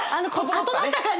整った感じ！